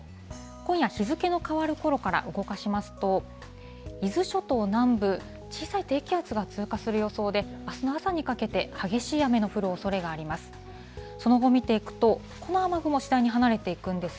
今夜日付の変わるころから動かしますと、伊豆諸島南部、小さい低気圧が通過する予想で、あすの朝にかけて、激しい雨の降るおそれがあります。